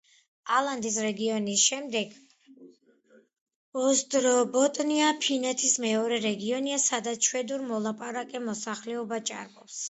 ალანდის რეგიონის შემდეგ, ოსტრობოტნია ფინეთის მეორე რეგიონია, სადაც შვედურად მოლაპარაკე მოსახლეობა ჭარბობს.